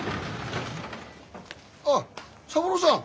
あっ三郎さん。